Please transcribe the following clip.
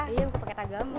iya buku paket agama